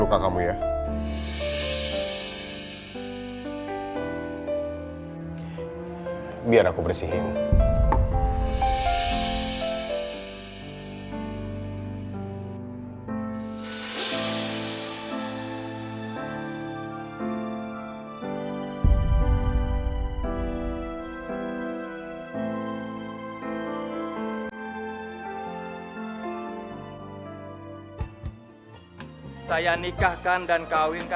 jangan kamu biarkan dia terjebak dalam pernikahan tanpa cinta